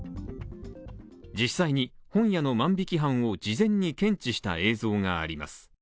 実際に本屋の万引き犯を事前に検知した映像があります。